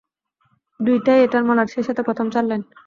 দুইটাই, এটার মলাট, সেইসাথে প্রথম চার লাইন।